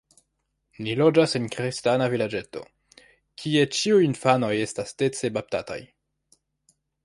Ni loĝas en kristana vilaĝeto, kie ĉiuj infanoj estas dece baptataj.